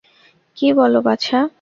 কী বল বাছা!